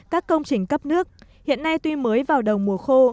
các công trình cấp nước hiện nay tuy mới vào đầu mùa khô